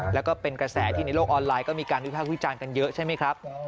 แล้วก็เป็นกระแสที่ในโลกออนไลน์ก็มีการวิภาควิจารณ์กันเยอะใช่ไหมครับ